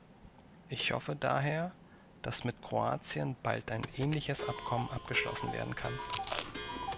Ich hoffe daher, dass mit Kroatien bald ein ähnliches Abkommen abgeschlossen werden kann.